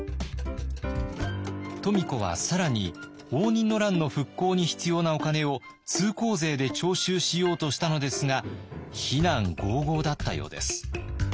富子は更に応仁の乱の復興に必要なお金を通行税で徴収しようとしたのですが非難ごうごうだったようです。